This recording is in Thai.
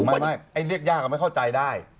ไอ้เรียกยากก็ไม่เข้าใจได้